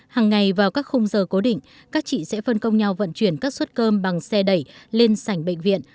hàng ngày vào các khung giờ cố định các chị sẽ phân công nhau vận chuyển các suất cơm bằng xe đẩy lên sảnh bệnh viện